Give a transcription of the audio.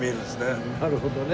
なるほどね。